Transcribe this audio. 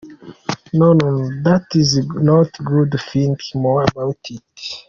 No no no that’s not good thing more about it!!.